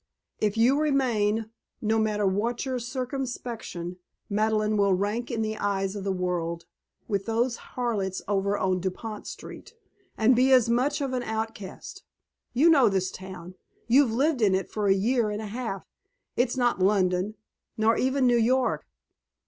If you remain, no matter what your circumspection Madeleine will rank in the eyes of the world with those harlots over on Dupont Street. And be as much of an outcast. You know this town. You've lived in it for a year and a half. It's not London, nor even New York.